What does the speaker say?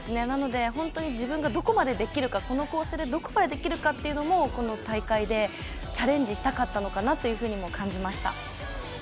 なので本当に自分がどこまでできるか、この構成でどこまでできるかというのもこの大会でチャレンジしたかったのかなとも感じました。